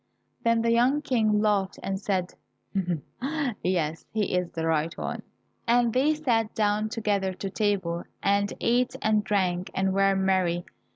Then the young King laughed and said, "Yes, he is the right one," and they sat down together to table, and ate and drank, and were merry.